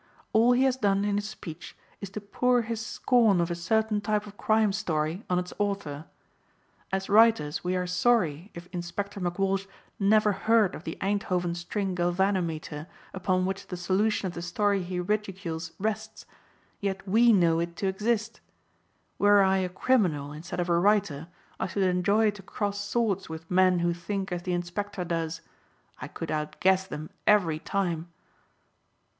All he has done in his speech is to pour his scorn of a certain type of crime story on its author. As writers we are sorry if Inspector McWalsh never heard of the Einthoven string galvanometer upon which the solution of the story he ridicules rests, yet we know it to exist. Were I a criminal instead of a writer I should enjoy to cross swords with men who think as the Inspector does. I could outguess them every time."